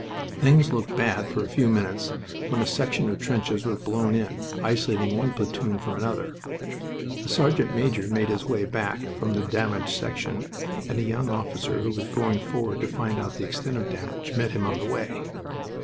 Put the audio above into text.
Things looked bad for a few minutes when a section of trenches was blown in, isolating one platoon from another. A sergeant major made his way back from the damaged section, and a young officer who was going forward to find out the extent of damage met him on the way.